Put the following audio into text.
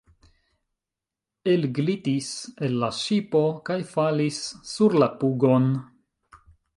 Elglitis el la ŝipo kaj falis sur la pugon.